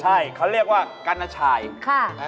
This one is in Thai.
ใช่เขาเรียกว่ากัณชาย